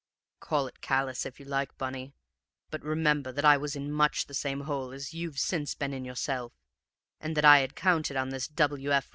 Call it callous if you like, Bunny, but remember that I was in much the same hole as you've since been in yourself, and that I had counted on this W. F.